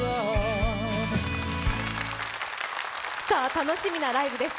楽しみなライブです。